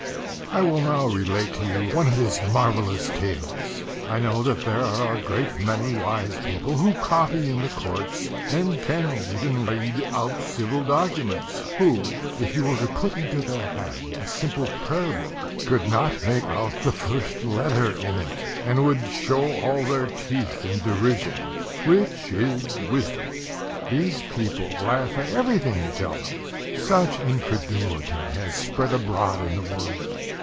I will now relate to you one of his marvellous tales. I know that there are a great many wise people who copy in the courts, and can even read civil documents, who, if you were to put into their hand a simple prayer book, could not make out the first letter in it, and would show all their teeth in derision which is wisdom. These people laugh at everything you tell them. Such incredulity has spread abroad in the world!